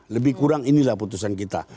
lebih kurang inilah putusan kita